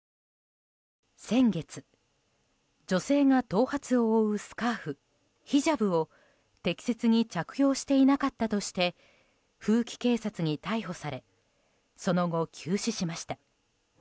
先月、女性が頭髪を覆うスカーフヒジャブを適切に着用していなかったとして風紀警察に逮捕されその後、急死しました。